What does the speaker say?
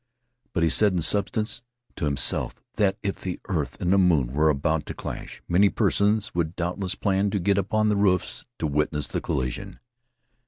But he said, in substance, to himself that if the earth and the moon were about to clash, many persons would doubtless plan to get upon the roofs to witness the collision.